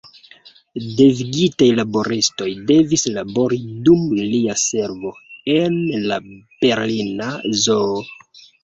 Devigitaj laboristoj devis labori dum lia servo en la Berlina Zoo.